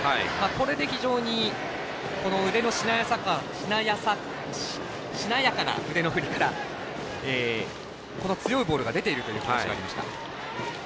これで非常にしなやかな腕の振りからこの強いボールが出ているという話がありました。